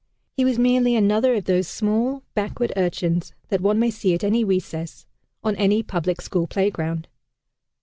He was merely another of those small, backward urchins that one may see at any recess, on any public school playground.